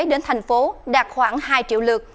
đến thành phố đạt khoảng hai triệu lượt